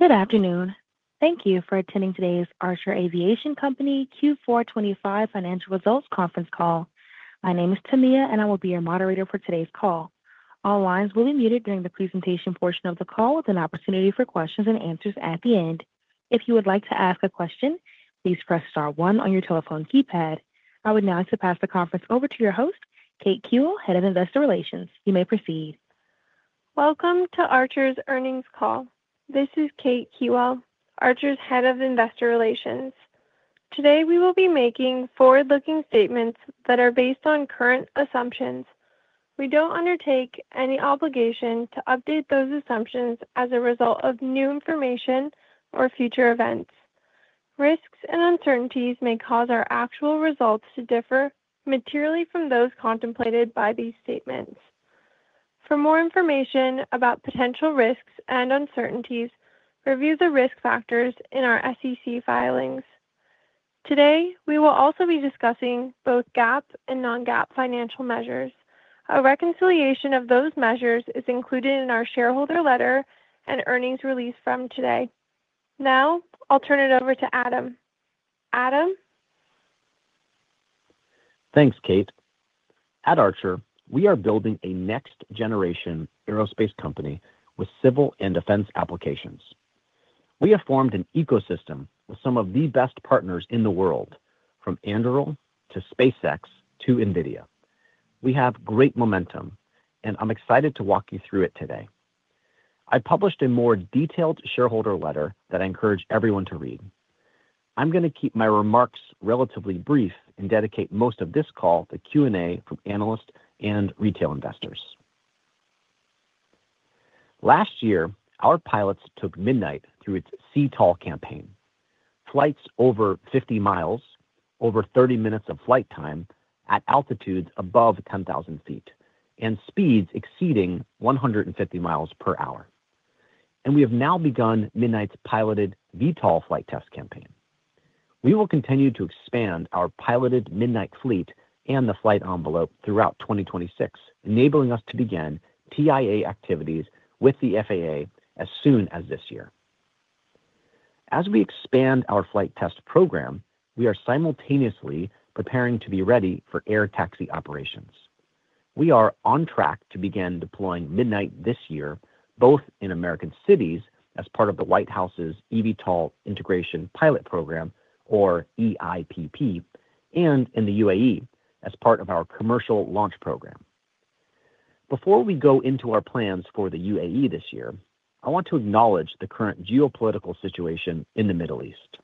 Good afternoon. Thank you for attending today's Archer Aviation Company Q4 2025 financial results conference call. My name is Tamia, and I will be your moderator for today's call. All lines will be muted during the presentation portion of the call with an opportunity for questions and answers at the end. If you would like to ask a question, please press star one on your telephone keypad. I would now like to pass the conference over to your host, Kate Kiewel, Head of Investor Relations. You may proceed. Welcome to Archer's earnings call. This is Kate Kiewel, Archer's Head of Investor Relations. Today, we will be making forward-looking statements that are based on current assumptions. We don't undertake any obligation to update those assumptions as a result of new information or future events. Risks and uncertainties may cause our actual results to differ materially from those contemplated by these statements. For more information about potential risks and uncertainties, review the risk factors in our SEC filings. Today, we will also be discussing both GAAP and Non-GAAP financial measures. A reconciliation of those measures is included in our shareholder letter and earnings release from today. Now, I'll turn it over to Adam. Adam? Thanks, Kate. At Archer, we are building a next-generation Aerospace company with Civil and Defense Applications. We have formed an ecosystem with some of the best partners in the world, from Anduril to SpaceX to NVIDIA. We have great momentum. I'm excited to walk you through it today. I published a more detailed shareholder letter that I encourage everyone to read. I'm going to keep my remarks relatively brief and dedicate most of this call to Q&A from analysts and retail investors. Last year, our pilots took Midnight through its CTOL campaign, flights over 50 miles, over 30 minutes of flight time at altitudes above 10,000 feet and speeds exceeding 150 miles per hour. We have now begun Midnight's piloted VTOL flight test campaign. We will continue to expand our piloted Midnight fleet and the flight envelope throughout 2026, enabling us to begin TIA activities with the FAA as soon as this year. As we expand our flight test program, we are simultaneously preparing to be ready for Air Taxi Operations. We are on track to begin deploying Midnight this year, both in American Cities as part of the White House's eVTOL Integration Pilot Program or EIPP, and in the UAE as part of our Commercial launch program. Before we go into our plans for the UAE this year, I want to acknowledge the current Geopolitical situation in the Middle East.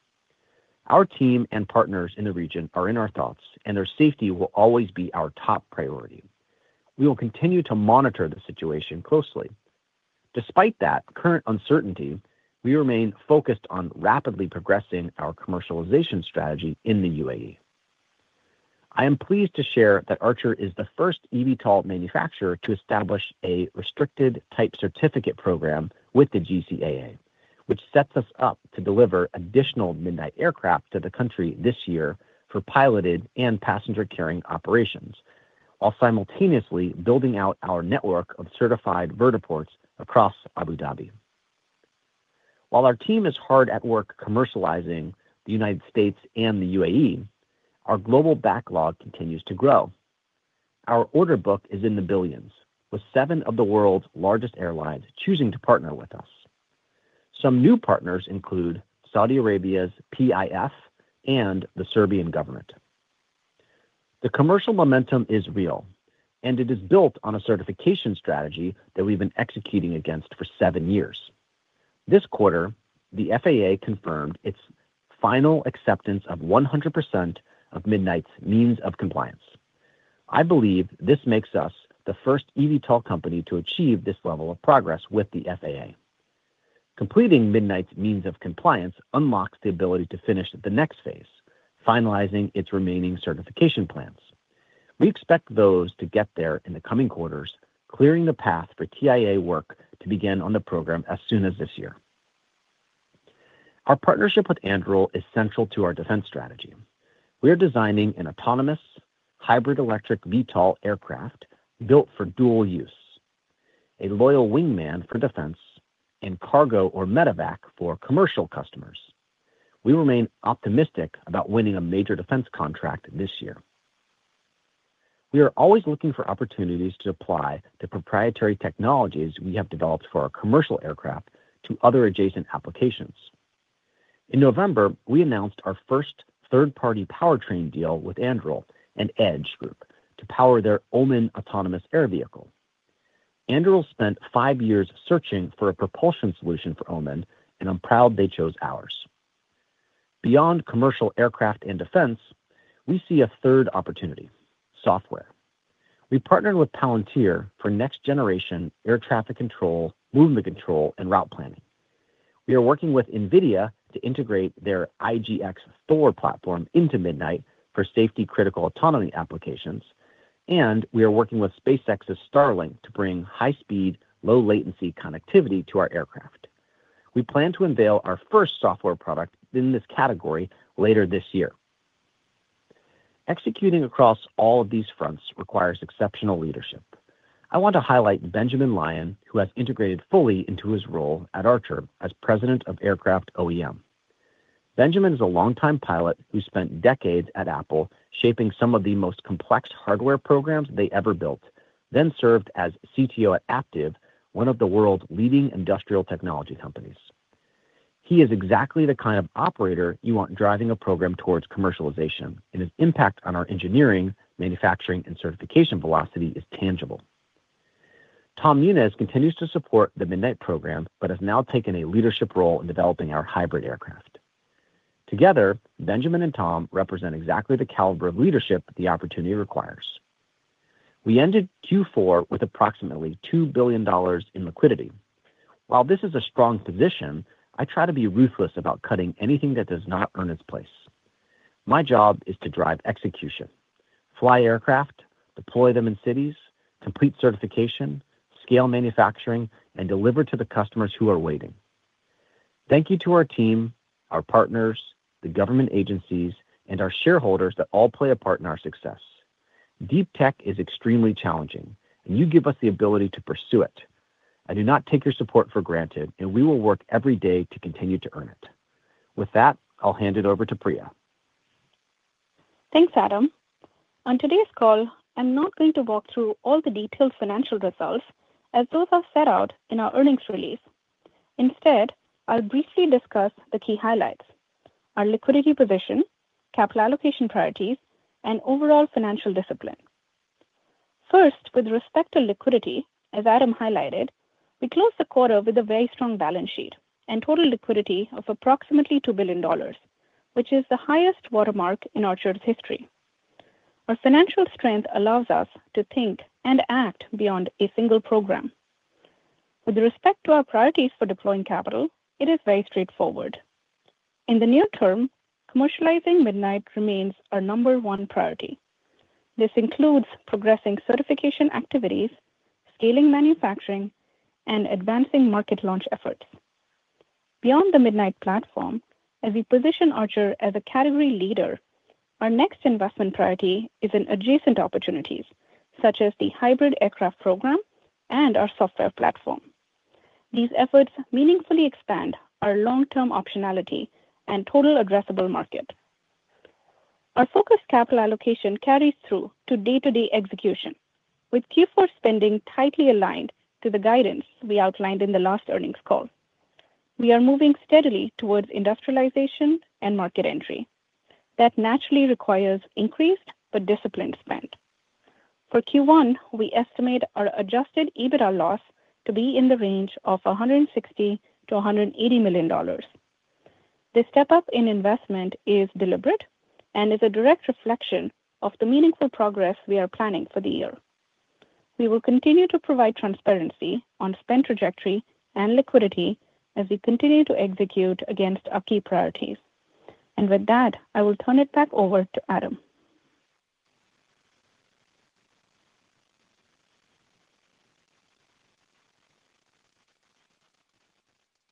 Our team and partners in the region are in our thoughts, and their safety will always be our top priority. We will continue to monitor the situation closely. Despite that current uncertainty, we remain focused on rapidly progressing our Commercialization strategy in the UAE. I am pleased to share that Archer is the first eVTOL manufacturer to establish a restricted type certificate program with the GCAA, which sets us up to deliver additional Midnight Aircraft to the country this year for piloted and passenger-carrying operations while simultaneously building out our network of certified vertiports across Abu Dhabi. While our team is hard at work Commercializing the United States and the UAE, our global backlog continues to grow. Our order book is in the billions, with seven of the world's largest airlines choosing to partner with us. Some new partners include Saudi Arabia's PIF and the Serbian government. The Commercial momentum is real, and it is built on a certification strategy that we've been executing against for seven years. This quarter, the FAA confirmed its final acceptance of 100% of Midnight's means of compliance. I believe this makes us the first eVTOL company to achieve this level of progress with the FAA. Completing Midnight's means of compliance unlocks the ability to finish the next phase, finalizing its remaining certification plans. We expect those to get there in the coming quarters, clearing the path for TIA work to begin on the program as soon as this year. Our partnership with Anduril is central to our defense strategy. We are designing an Autonomous Hybrid Electric VTOL Aircraft built for dual use, a loyal wingman for defense and cargo or medevac for Commercial customers. We remain optimistic about winning a major defense contract this year. We are always looking for opportunities to apply the proprietary technologies we have developed for our Commercial Aircraft to other adjacent applications. In November, we announced our first third-party powertrain deal with Anduril and EDGE Group to power their Omen autonomous air vehicle. Anduril spent 5 years searching for a propulsion solution for Omen. I'm proud they chose ours. Beyond Commercial Aircraft and defense, we see a third opportunity: software. We partnered with Palantir for next-generation air traffic control, movement control, and route planning. We are working with NVIDIA to integrate their NVIDIA IGX Thor platform into Midnight for safety-critical Autonomy Applications. We are working with SpaceX's Starlink to bring high-speed, low-latency connectivity to our Aircraft. We plan to unveil our first software product in this category later this year. Executing across all of these fronts requires exceptional leadership. I want to highlight Benjamin Lyon, who has integrated fully into his role at Archer as President of Aircraft OEM. Benjamin is a longtime pilot who spent decades at Apple shaping some of the most complex hardware programs they ever built, then served as CTO at Aptiv, one of the world's leading industrial technology companies. He is exactly the kind of operator you want driving a program towards Commercialization, and his impact on our engineering, manufacturing, and certification velocity is tangible. Tom Muniz continues to support the Midnight program but has now taken a leadership role in developing our hybrid Aircraft. Together, Benjamin and Tom represent exactly the caliber of leadership that the opportunity requires. We ended Q4 with approximately $2 billion in liquidity. While this is a strong position, I try to be ruthless about cutting anything that does not earn its place. My job is to drive execution, Fly Aircraft, deploy them in cities, complete certification, scale manufacturing, and deliver to the customers who are waiting. Thank you to our team, our partners, the government agencies, and our shareholders that all play a part in our success. Deep tech is extremely challenging. You give us the ability to pursue it. I do not take your support for granted. We will work every day to continue to earn it. With that, I'll hand it over to Priya. Thanks, Adam. On today's call, I'm not going to walk through all the detailed financial results as those are set out in our earnings release. Instead, I'll briefly discuss the key highlights, our liquidity position, capital allocation priorities, and overall financial discipline. First, with respect to liquidity, as Adam highlighted, we closed the quarter with a very strong balance sheet and total liquidity of approximately $2 billion, which is the highest watermark in Archer's history. Our financial strength allows us to think and act beyond a single program. With respect to our priorities for deploying capital, it is very straightforward. In the near term, Commercializing Midnight remains our number one priority. This includes progressing certification activities, scaling manufacturing, and advancing market launch efforts. Beyond the Midnight platform, as we position Archer as a category leader, our next investment priority is in adjacent opportunities such as the hybrid Aircraft program and our software platform. These efforts meaningfully expand our long-term optionality and total addressable market. Our focused capital allocation carries through to day-to-day execution, with Q4 spending tightly aligned to the guidance we outlined in the last earnings call. We are moving steadily towards industrialization and market entry. That naturally requires increased but disciplined spend. For Q1, we estimate our Adjusted EBITDA loss to be in the range of $160 million-$180 million. This step-up in investment is deliberate and is a direct reflection of the meaningful progress we are planning for the year. We will continue to provide transparency on spend trajectory and liquidity as we continue to execute against our key priorities. With that, I will turn it back over to Adam.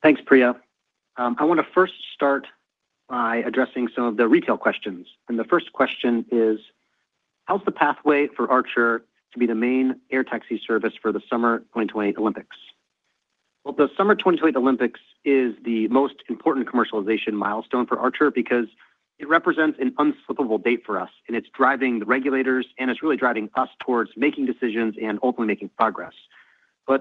Thanks, Priya. I want to first start by addressing some of the retail questions. The first question is: How's the pathway for Archer to be the main air taxi service for the Summer 2020 Olympics? Well, the Summer 2020 Olympics is the most important Commercialization milestone for Archer because it represents an unskippable date for us, and it's driving the regulators, and it's really driving us towards making decisions and hopefully making progress.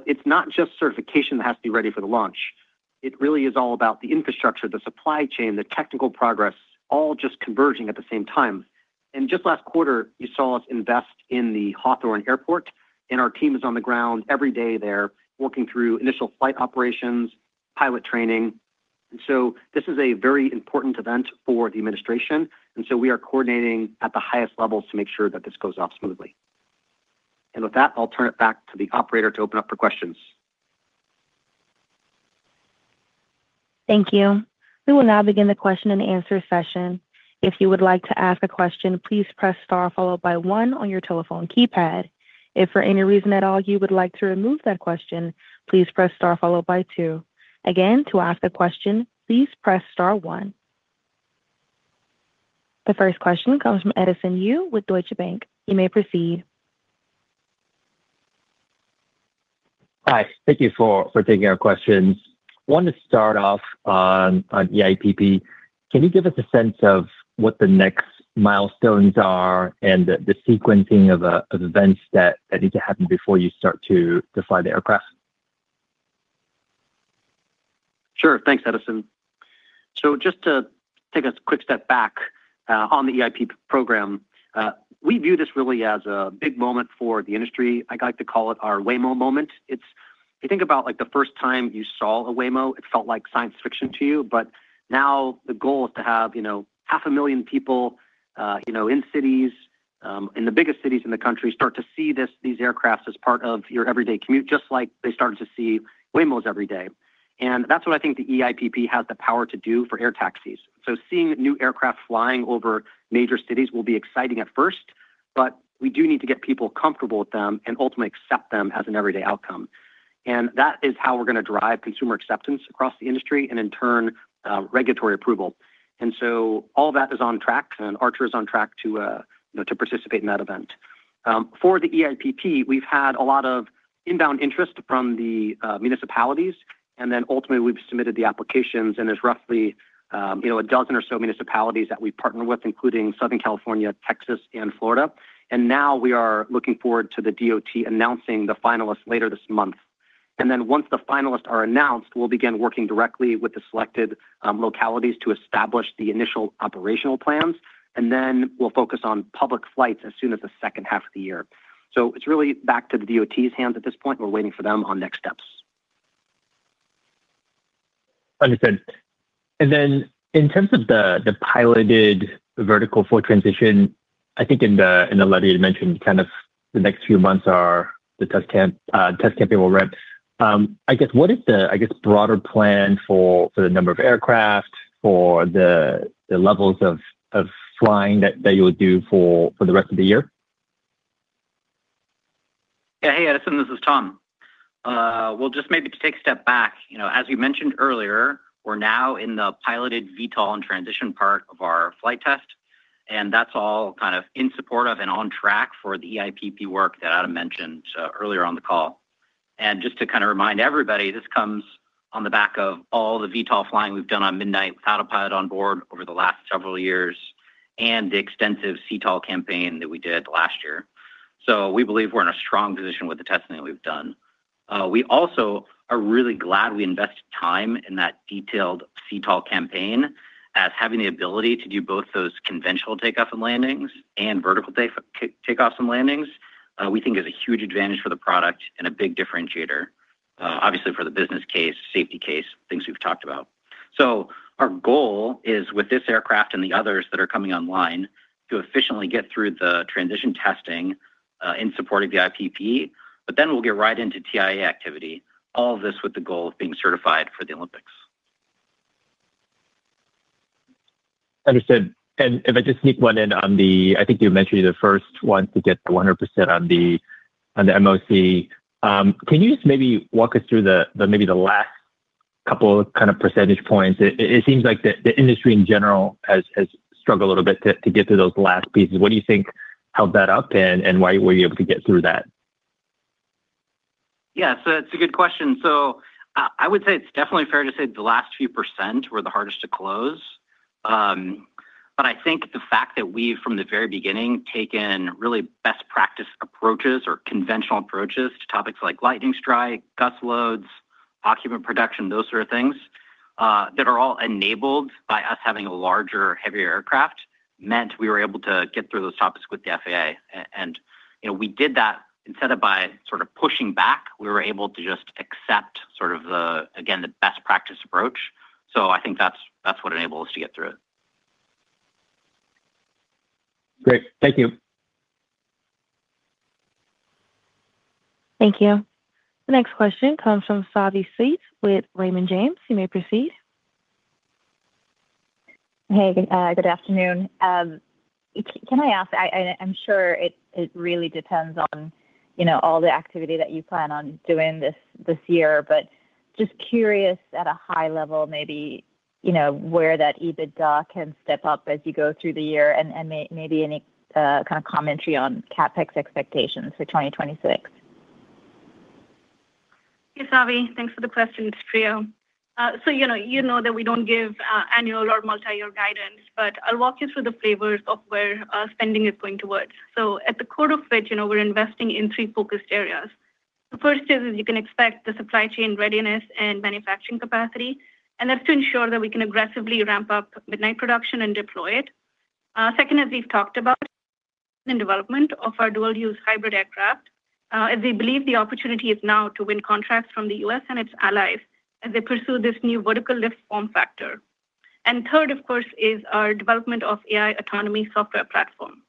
It's not just certification that has to be ready for the launch. It really is all about the Infrastructure, the Supply Chain, the technical progress all just converging at the same time. Just last quarter, you saw us invest in the Hawthorne Airport, and our team is on the ground every day there working through initial flight operations, pilot training. This is a very important event for the Administration, we are coordinating at the highest levels to make sure that this goes off smoothly. With that, I'll turn it back to the operator to open up for questions. Thank you. We will now begin the question and answer session. If you would like to ask a question, please press star followed by one on your telephone keypad. If for any reason at all you would like to remove that question, please press star followed by two. Again, to ask a question, please press star one. The first question comes from Edison Yu with Deutsche Bank. You may proceed. Hi. Thank you for taking our questions. Wanted to start off on EIPP. Can you give us a sense of what the next milestones are and the sequencing of events that need to happen before you start to define the Aircraft? Sure. Thanks, Edison. Just to take a quick step back, on the EIPP program, we view this really as a big moment for the industry. I like to call it our Waymo moment. If you think about, like, the first time you saw a Waymo, it felt like science fiction to you. Now the goal is to have, you know, half a million people, you know, in cities, in the biggest cities in the country start to see these Aircraft as part of your everyday commute, just like they started to see Waymos every day. That's what I think the EIPP has the power to do for air taxis. Seeing new Aircraft flying over major cities will be exciting at first. We do need to get people comfortable with them and ultimately accept them as an everyday outcome. That is how we're going to drive consumer acceptance across the industry and in turn, regulatory approval. All that is on track, and Archer is on track to, you know, to participate in that event. For the EIPP, we've had a lot of inbound interest from the municipalities, ultimately we've submitted the applications, and there's roughly, you know, a dozen or so municipalities that we partner with, including Southern California, Texas and Florida. We are looking forward to the DOT announcing the finalists later this month. Once the finalists are announced, we'll begin working directly with the selected localities to establish the initial operational plans. We'll focus on public flights as soon as the second half of the year. It's really back to the DOT's hands at this point. We're waiting for them on next steps. Understood. Then in terms of the piloted vertical for transition, I think in the letter you had mentioned kind of the next few months are the test campaign will ramp. What is the broader plan for the number of Aircraft or the levels of flying that you would do for the rest of the year? Yeah. Hey, Edison, this is Tom. Well just maybe to take a step back. You know, as we mentioned earlier, we're now in the piloted VTOL and transition part of our flight test, and that's all kind of in support of and on track for the EIPP work that Adam mentioned earlier on the call. Just to kind of remind everybody, this comes on the back of all the VTOL flying we've done on Midnight without a pilot on board over the last several years, and the extensive CTOL campaign that we did last year. We believe we're in a strong position with the testing that we've done. We also are really glad we invested time in that detailed CTOL campaign as having the ability to do both those conventional takeoffs and landings and vertical takeoffs and landings, we think is a huge advantage for the product and a big differentiator, obviously for the business case, safety case, things we've talked about. Our goal is with this Aircraft and the others that are coming online to efficiently get through the transition testing, in support of the EIPP, but then we'll get right into TIA activity, all of this with the goal of being certified for the Olympics. Understood. If I just sneak one in on the, I think you mentioned you're the first one to get the 100% on the, on the MOC. Can you just maybe walk us through the maybe the last couple kind of percentage points? It seems like the industry in general has struggled a little bit to get through those last pieces. What do you think held that up and why were you able to get through that? It's a good question. I would say it's definitely fair to say the last few % were the hardest to close. I think the fact that we from the very beginning taken really best practice approaches or conventional approaches to topics like lightning strike, gust loads, occupant protection, those sort of things, that are all enabled by us having a larger, heavier Aircraft, meant we were able to get through those topics with the FAA. And, you know, we did that instead of by sort of pushing back, we were able to just accept sort of the, again, the best practice approach. I think that's what enabled us to get through it. Great. Thank you. Thank you. The next question comes from Savanthi Syth with Raymond James. You may proceed. Hey, good afternoon. Can I ask, I'm sure it really depends on, you know, all the activity that you plan on doing this year, but just curious at a high level, maybe, you know, where that EBITDA can step up as you go through the year and maybe any kind of commentary on CapEx expectations for 2026? Yes, Savi. Thanks for the question. It's Priya. You know, you know that we don't give annual or multi-year guidance, but I'll walk you through the flavors of where spending is going towards. At the core of which, you know, we're investing in three focused areas. The first is you can expect the supply chain readiness and manufacturing capacity, and that's to ensure that we can aggressively ramp up Midnight production and deploy it. Second, as we've talked about, the development of our dual use hybrid Aircraft, as we believe the opportunity is now to win contracts from the U.S. and its allies as they pursue this new vertical lift form factor. Third, of course, is our development of AI autonomy software platform.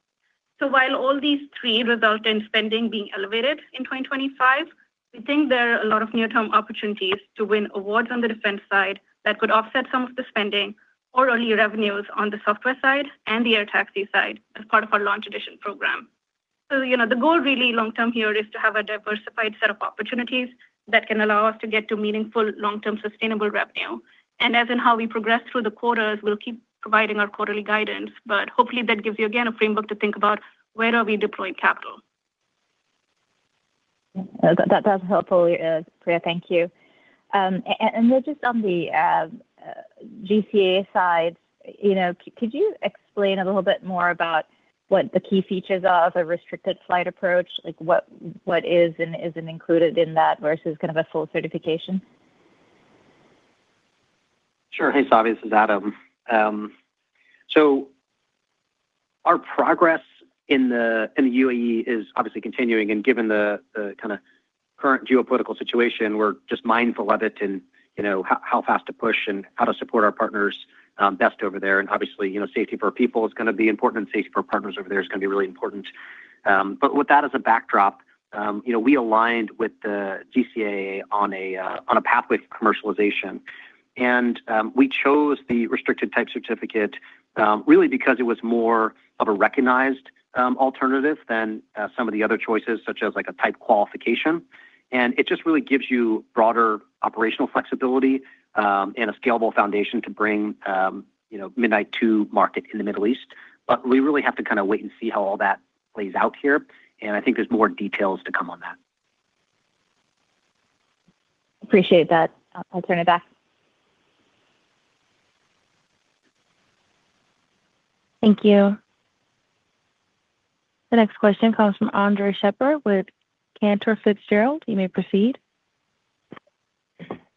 While all these three result in spending being elevated in 2025, we think there are a lot of near-term opportunities to win awards on the defense side that could offset some of the spending or early revenues on the software side and the air taxi side as part of our Launch Edition program. You know, the goal really long term here is to have a diversified set of opportunities that can allow us to get to meaningful long-term sustainable revenue. As in how we progress through the quarters, we'll keep providing our quarterly guidance, hopefully, that gives you again a framework to think about where are we deploying capital. That's helpful, Priya. Thank you. Just on the GCAA side, you know, could you explain a little bit more about what the key features are of a restricted flight approach? Like, what is and isn't included in that versus kind of a full certification? Sure. Hey, Savi. This is Adam. Our progress in the UAE is obviously continuing and given the kind of current Geopolitical situation, we're just mindful of it and you know, how fast to push and how to support our partners best over there. Obviously, you know, safety for our people is gonna be important, and safety for our partners over there is gonna be really important. With that as a backdrop, you know, we aligned with the GCAA on a pathway to Commercialization. We chose the restricted type certificate, really because it was more of a recognized alternative than some of the other choices, such as like a type rating. It just really gives you broader operational flexibility, and a scalable foundation to bring, you know, Midnight to market in the Middle East. We really have to kind of wait and see how all that plays out here, and I think there's more details to come on that. Appreciate that. I'll turn it back. Thank you. The next question comes from Andres Sheppard with Cantor Fitzgerald. You may proceed.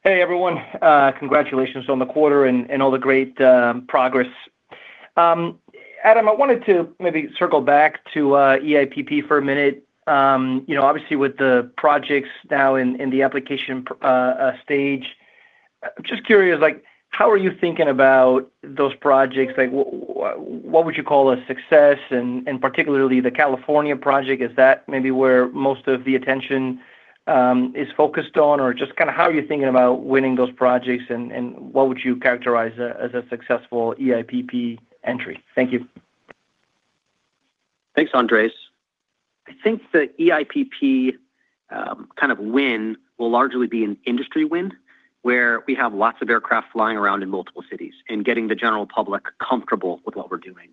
Hey, everyone. Congratulations on the quarter and all the great progress. Adam, I wanted to maybe circle back to EIPP for a minute. You know, obviously with the projects now in the application stage, I'm just curious, like how are you thinking about those projects? Like what would you call a success and particularly the California project, is that maybe where most of the attention is focused on? Or just kinda how are you thinking about winning those projects and what would you characterize as a successful EIPP entry? Thank you. Thanks, Andres. I think the EIPP kind of win will largely be an industry win, where we have lots of Aircraft flying around in multiple cities and getting the general public comfortable with what we're doing.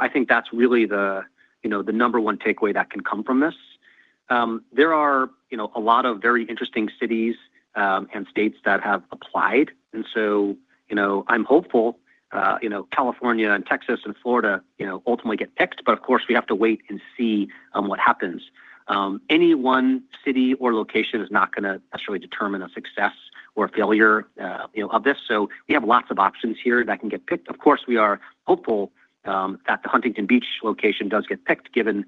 I think that's really the, you know, the number one takeaway that can come from this. There are, you know, a lot of very interesting cities and states that have applied, and so, you know, I'm hopeful, you know, California and Texas and Florida, you know, ultimately get picked, but of course we have to wait and see what happens. Any one city or location is not gonna necessarily determine a success or failure, you know, of this. We have lots of options here that can get picked. Of course, we are hopeful that the Huntington Beach location does get picked, given,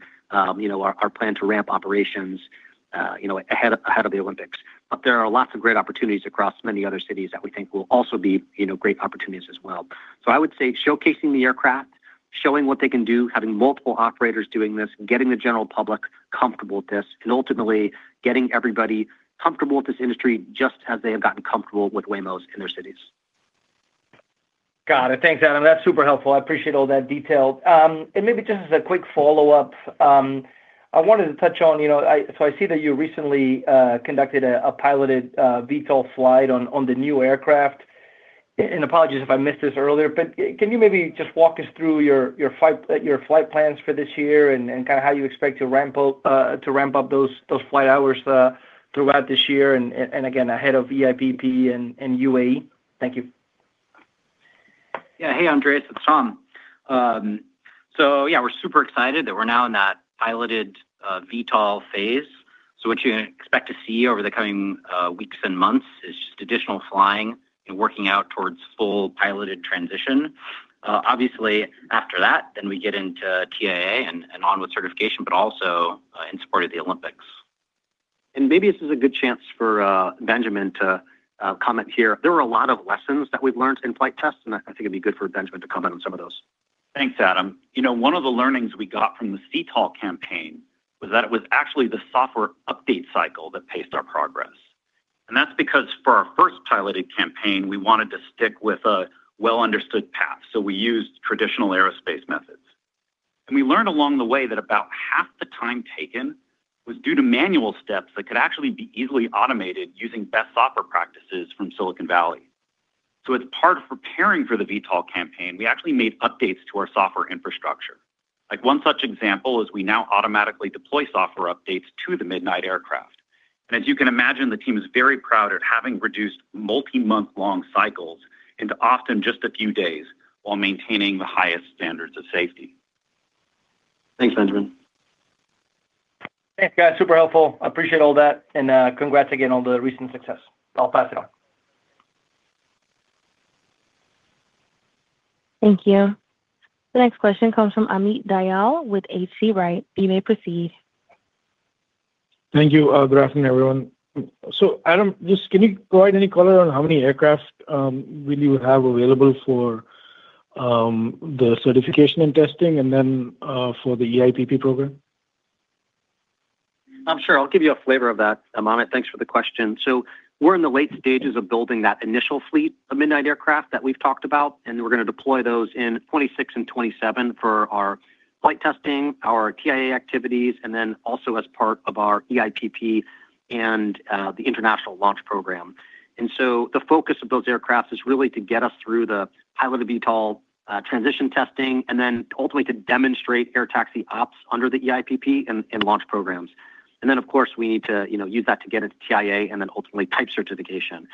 you know, our plan to ramp operations, you know, ahead of the Olympics. There are lots of great opportunities across many other cities that we think will also be, you know, great opportunities as well. I would say showcasing the Aircraft, showing what they can do, having multiple operators doing this, getting the general public comfortable with this, and ultimately getting everybody comfortable with this industry just as they have gotten comfortable with Waymos in their cities. Got it. Thanks, Adam. That's super helpful. I appreciate all that detail. Maybe just as a quick follow-up, I wanted to touch on, you know, I see that you recently conducted a piloted VTOL flight on the new Aircraft. Apologies if I missed this earlier, can you maybe just walk us through your flight plans for this year and kind of how you expect to ramp up those flight hours throughout this year and again ahead of EIPP and UAE? Thank you. Hey, Andres. It's Tom. Yeah, we're super excited that we're now in that piloted VTOL phase. What you expect to see over the coming weeks and months is just additional flying and working out towards full piloted transition. Obviously after that we get into TIA and onward certification, also in support of the Olympics. Maybe this is a good chance for Benjamin to comment here. There were a lot of lessons that we've learned in flight tests, and I think it'd be good for Benjamin to comment on some of those. Thanks, Adam. You know, one of the learnings we got from the CTOL campaign was that it was actually the software update cycle that paced our progress. That's because for our first piloted campaign, we wanted to stick with a well understood path, so we used traditional Aerospace methods. We learned along the way that about half the time taken was due to manual steps that could actually be easily automated using best software practices from Silicon Valley. As part of preparing for the VTOL campaign, we actually made updates to our software infrastructure. Like one such example is we now automatically deploy software updates to the Midnight Aircraft. As you can imagine, the team is very proud at having reduced multi-month long cycles into often just a few days while maintaining the highest standards of safety. Thanks, Benjamin. Thanks, guys. Super helpful. I appreciate all that. Congrats again on the recent success. I'll pass it on. Thank you. The next question comes from Amit Dayal with H.C. Wainwright. You may proceed. Thank you. Good afternoon, everyone. Adam, just can you provide any color on how many Aircraft will you have available for the certification and testing and then for the EIPP program? Sure. I'll give you a flavor of that, Amit. Thanks for the question. We're in the late stages of building that initial fleet of Midnight Aircraft that we've talked about, and we're gonna deploy those in 26 and 27 for our flight testing, our TIA activities, and also as part of our EIPP and the international launch program. The focus of those Aircraft is really to get us through the piloted VTOL transition testing and ultimately to demonstrate air taxi ops under the EIPP and launch programs. Of course we need to, you know, use that to get into TIA and ultimately type certification.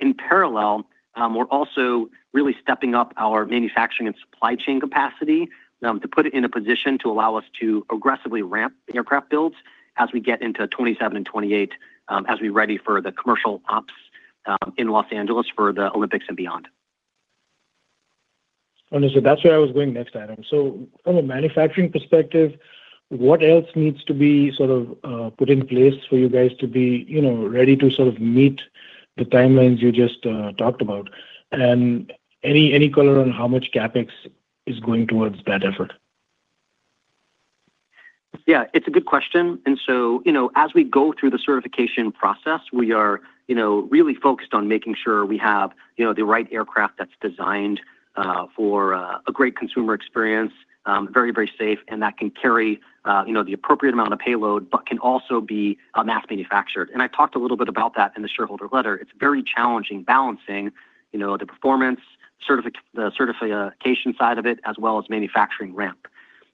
In parallel, we're also really stepping up our manufacturing and supply chain capacity, to put it in a position to allow us to aggressively ramp the Aircraft builds as we get into 2027 and 2028, as we ready for the Commercial ops in Los Angeles for the Olympics and beyond. Understood. That's where I was going next, Adam. From a manufacturing perspective, what else needs to be sort of put in place for you guys to be, you know, ready to sort of meet the timelines you just talked about? Any, any color on how much CapEx is going towards that effort? Yeah, it's a good question. You know, as we go through the certification process, we are, you know, really focused on making sure we have, you know, the right Aircraft that's designed for a great consumer experience, very, very safe, and that can carry, you know, the appropriate amount of payload but can also be mass manufactured. I talked a little bit about that in the shareholder letter. It's very challenging balancing, you know, the performance the certification side of it as well as manufacturing ramp.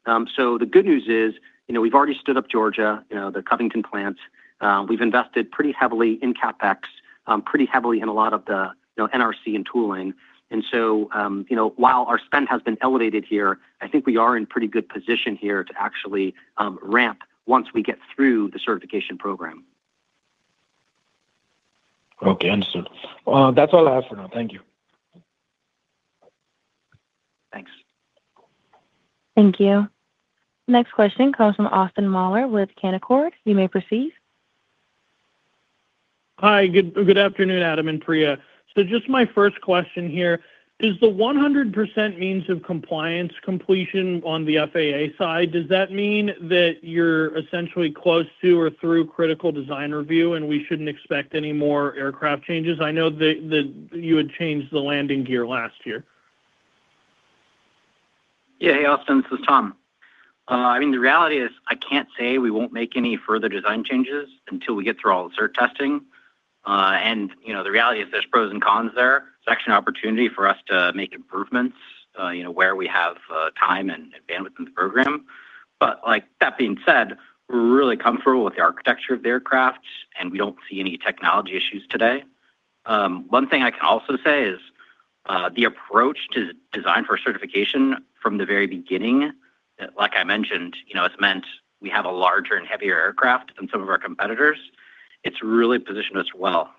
The good news is, you know, we've already stood up Georgia, you know, the Covington plant. We've invested pretty heavily in CapEx, pretty heavily in a lot of the, you know, NRC and tooling. You know, while our spend has been elevated here, I think we are in pretty good position here to actually ramp once we get through the certification program. Okay. Understood. That's all I have for now. Thank you. Thanks. Thank you. Next question comes from Austin Moeller with Canaccord. You may proceed. Hi. Good afternoon, Adam and Priya. Just my first question here, does the 100% means of compliance completion on the FAA side, does that mean that you're essentially close to or through critical design review, and we shouldn't expect any more Aircraft changes? I know the you had changed the landing gear last year. Yeah. Hey, Austin, this is Tom. I mean, the reality is I can't say we won't make any further design changes until we get through all the cert testing. You know, the reality is there's pros and cons there. It's actually an opportunity for us to make improvements, you know, where we have time and bandwidth in the program. Like, that being said, we're really comfortable with the architecture of the Aircraft, and we don't see any technology issues today. One thing I can also say is, the approach to design for certification from the very beginning, like I mentioned, you know, it's meant we have a larger and heavier Aircraft than some of our competitors. It's really positioned us well.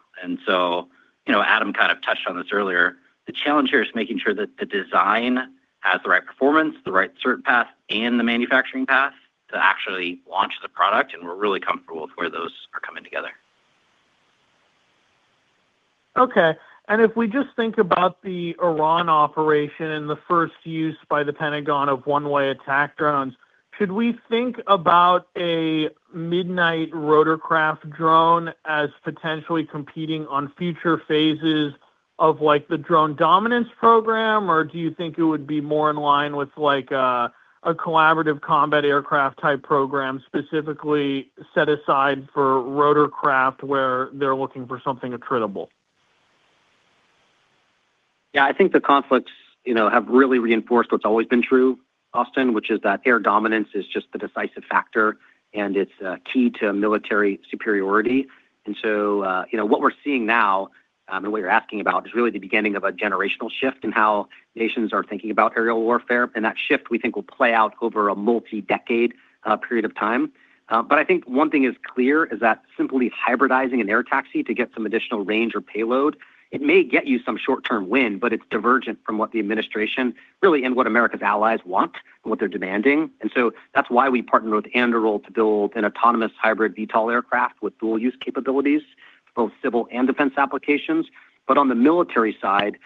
You know, Adam kind of touched on this earlier. The challenge here is making sure that the design has the right performance, the right cert path, and the manufacturing path to actually launch the product, and we're really comfortable with where those are coming together. Okay. If we just think about the Iran operation and the first use by the Pentagon of one-way attack drones, should we think about a Midnight rotorcraft drone as potentially competing on future phases of, like, the Drone Dominance Program, or do you think it would be more in line with, like, a Collaborative Combat Aircraft type program specifically set aside for rotor craft where they're looking for something attritable? I think the conflicts, you know, have really reinforced what's always been true, Austin, which is that air dominance is just the decisive factor, and it's key to military superiority. You know, what we're seeing now, and what you're asking about is really the beginning of a generational shift in how nations are thinking about aerial warfare, and that shift, we think, will play out over a multi-decade period of time. I think one thing is clear is that simply hybridizing an air taxi to get some additional range or payload, it may get you some short-term win, but it's divergent from what the administration really and what America's allies want and what they're demanding. That's why we partnered with Anduril to build an autonomous hybrid VTOL Aircraft with dual use capabilities, both Civil and Defense Applications. On the military side,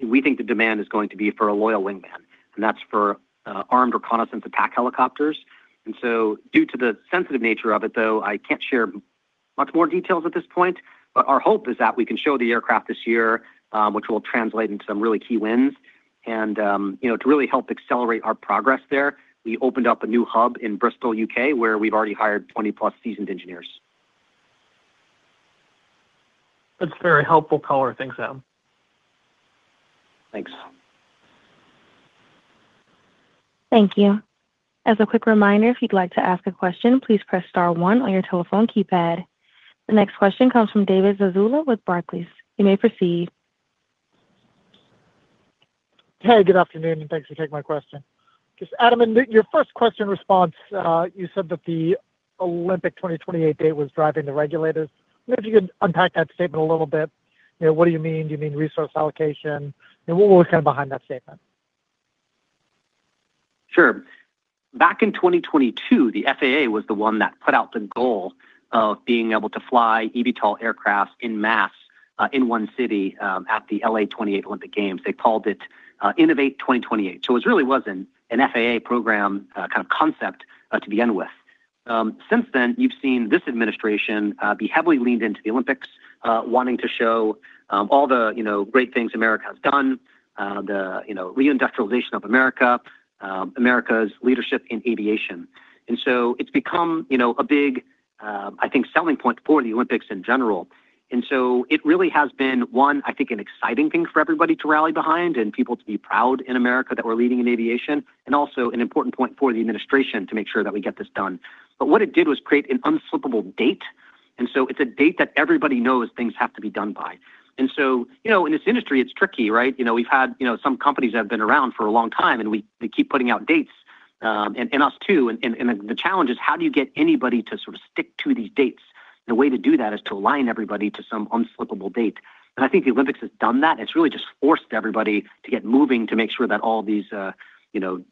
we think the demand is going to be for a loyal wingman, and that's for armed reconnaissance attack helicopters. Due to the sensitive nature of it, though, I can't share much more details at this point, but our hope is that we can show the Aircraft this year, which will translate into some really key wins. You know, to really help accelerate our progress there, we opened up a new hub in Bristol, U.K., where we've already hired 20-plus seasoned engineers. That's very helpful color. Thanks, Adam. Thanks. Thank you. As a quick reminder, if you'd like to ask a question, please press star one on your telephone keypad. The next question comes from David Zazula with Barclays. You may proceed. Hey. Good afternoon. Thanks for taking my question. Just Adam, in your first question response, you said that the Olympic 2028 date was driving the regulators. I wonder if you could unpack that statement a little bit. You know, what do you mean? Do you mean resource allocation? You know, what was kind of behind that statement? Sure. Back in 2022, the FAA was the one that put out the goal of being able to fly eVTOL Aircraft in mass, in one city, at the L.A. 28 Olympic Games. They called it Innovate 2028. It really was an FAA program, kind of concept, to begin with. Since then, you've seen this administration be heavily leaned into the Olympics, wanting to show all the, you know, great things America has done, the, you know, reindustrialization of America's leadership in aviation. It's become, you know, a big, I think selling point for the Olympics in general. It really has been one, I think an exciting thing for everybody to rally behind and people to be proud in America that we're leading in aviation and also an important point for the administration to make sure that we get this done. What it did was create an unslippable date. It's a date that everybody knows things have to be done by. You know, in this industry, it's tricky, right? You know, we've had, you know, some companies that have been around for a long time, they keep putting out dates us too. The challenge is how do you get anybody to sort of stick to these dates? The way to do that is to align everybody to some unslippable date. I think the Olympics has done that, and it's really just forced everybody to get moving to make sure that all these, you know,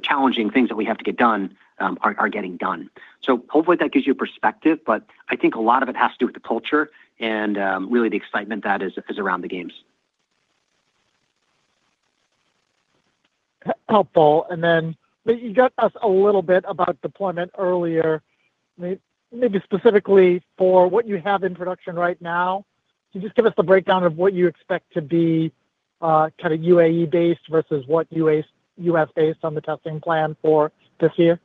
challenging things that we have to get done, are getting done. Hopefully that gives you perspective, but I think a lot of it has to do with the culture and really the excitement that is around the games. Helpful. You got us a little bit about deployment earlier. Maybe specifically for what you have in production right now, can you just give us the breakdown of what you expect to be, kind of UAE-based versus what U.S.-based on the testing plan for this year?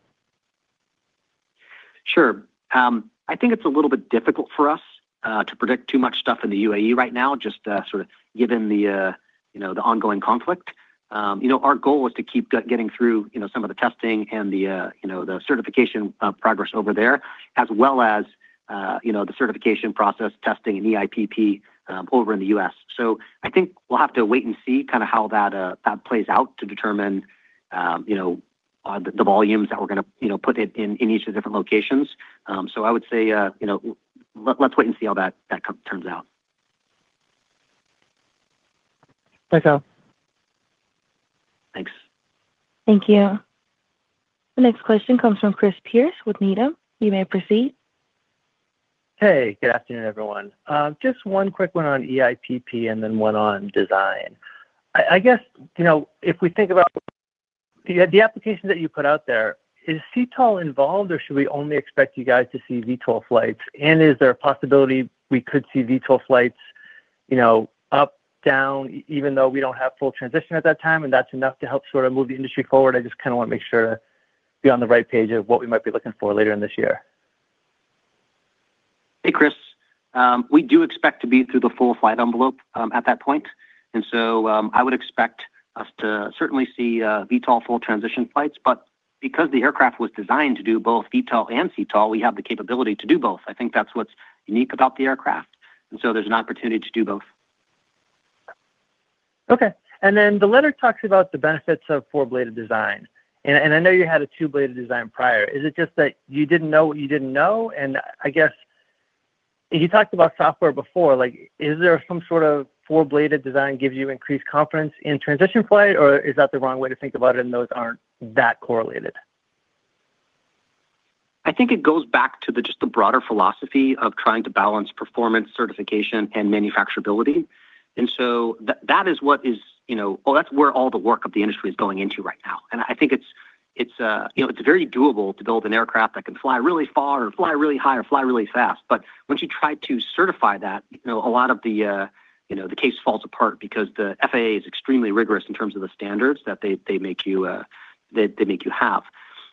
Sure. I think it's a little bit difficult for us to predict too much stuff in the UAE right now, just sort of given the, you know, the ongoing conflict. You know, our goal is to keep getting through, you know, some of the testing and the, you know, the certification progress over there, as well as, you know, the certification process testing and EIPP over in the U.S. I think we'll have to wait and see kinda how that plays out to determine, you know, the volumes that we're gonna, you know, put it in each of the different locations. I would say, you know, let's wait and see how that turns out. Thanks, Adam. Thanks. Thank you. The next question comes from Chris Pierce with Needham. You may proceed. Hey, good afternoon, everyone. Just one quick one on EIPP and then one on design. I guess, you know, if we think about the application that you put out there, is CTOL involved or should we only expect you guys to see VTOL flights? Is there a possibility we could see VTOL flights, you know, up, down, even though we don't have full transition at that time, and that's enough to help sort of move the industry forward? I just kinda wanna make sure to be on the right page of what we might be looking for later in this year. Hey, Chris. We do expect to be through the full flight envelope at that point. I would expect us to certainly see VTOL full transition flights. Because the Aircraft was designed to do both VTOL and CTOL, we have the capability to do both. I think that's what's unique about the Aircraft, there's an opportunity to do both. Okay. Then the letter talks about the benefits of 4-bladed design. And I know you had a 2-bladed design prior. Is it just that you didn't know what you didn't know? I guess you talked about software before. Like, is there some sort of 4-bladed design gives you increased confidence in transition flight, or is that the wrong way to think about it and those aren't that correlated? I think it goes back to the just the broader philosophy of trying to balance performance, certification, and manufacturability. That is what is, you know. Well, that's where all the work of the industry is going into right now. I think it's, you know, it's very doable to build an Aircraft that can fly really far or fly really high or fly really fast. Once you try to certify that, you know, a lot of the, you know, the case falls apart because the FAA is extremely rigorous in terms of the standards that they make you, that they make you have.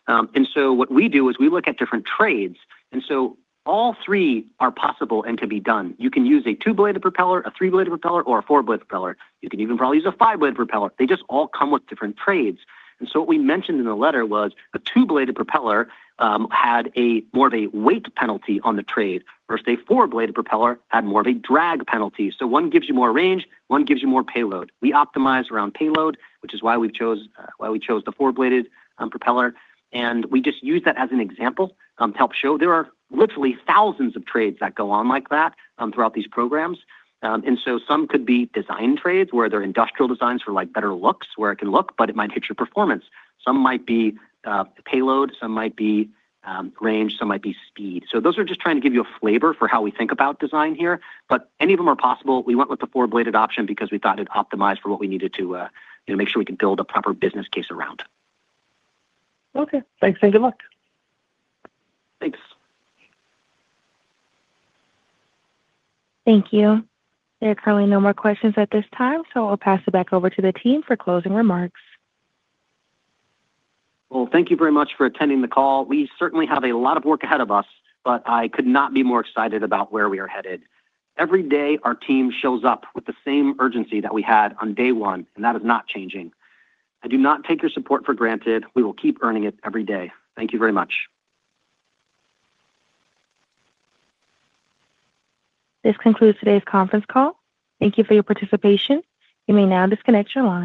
What we do is we look at different trades, and so all three are possible and can be done. You can use a two-bladed propeller, a three-bladed propeller, or a four-bladed propeller. You can even probably use a five-bladed propeller. They just all come with different trades. What we mentioned in the letter was a two-bladed propeller had a more of a weight penalty on the trade, versus a four-bladed propeller had more of a drag penalty. One gives you more range, one gives you more payload. We optimize around payload, which is why we've chose, why we chose the four-bladed propeller. We just use that as an example to help show there are literally thousands of trades that go on like that throughout these programs. Some could be design trades, where they're industrial designs for, like, better looks, where it can look, but it might hit your performance. Some might be payload, some might be range, some might be speed. Those are just trying to give you a flavor for how we think about design here, but any of them are possible. We went with the four-bladed option because we thought it optimized for what we needed to, you know, make sure we can build a proper business case around. Okay. Thanks, and good luck. Thanks. Thank you. There are currently no more questions at this time, so I'll pass it back over to the team for closing remarks. Well, thank you very much for attending the call. We certainly have a lot of work ahead of us, but I could not be more excited about where we are headed. Every day, our team shows up with the same urgency that we had on day one, and that is not changing. I do not take your support for granted. We will keep earning it every day. Thank you very much. This concludes today's conference call. Thank you for your participation. You may now disconnect your line.